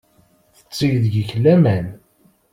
Tetteg deg-k laman.